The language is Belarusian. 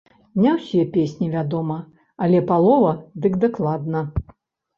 Не ўсе песні, вядома, але палова, дык дакладна.